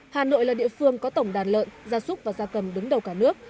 hà nội là địa phương có tổng đàn lợn da súc và da cầm đứng đầu cả nước